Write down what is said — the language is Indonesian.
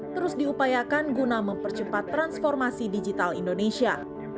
terus diupayakan guna mempercepat transformasi digital indonesia